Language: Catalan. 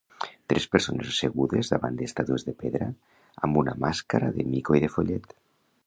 Tres persones assegudes davant d'estàtues de pedra amb una màscara de mico i de follet.